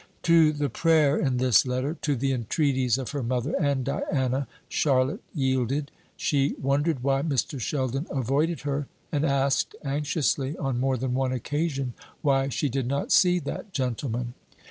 To the prayer in this letter, to the entreaties of her mother and Diana, Charlotte yielded. She wondered why Mr. Sheldon avoided her, and asked anxiously, on more than one occasion, why she did not see that gentleman.